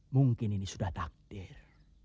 mungkin ini sudah takdir